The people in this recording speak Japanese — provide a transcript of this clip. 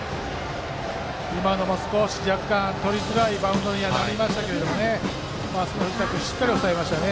今のも少し若干とりづらいバウンドになりましたがしっかりおさえましたね。